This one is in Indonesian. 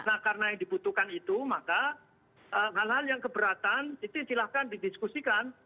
nah karena yang dibutuhkan itu maka hal hal yang keberatan itu silahkan didiskusikan